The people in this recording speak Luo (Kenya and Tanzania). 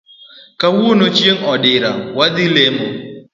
Kawuono chieng odira wadhi walemo